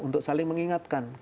untuk saling mengingatkan